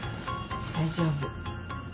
大丈夫。